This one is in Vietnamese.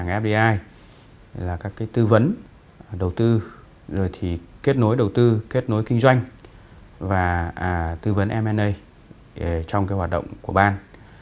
công tác phát triển khách hàng fdi là các tư vấn đầu tư kết nối đầu tư kết nối kinh doanh và tư vấn m a trong hoạt động của bàn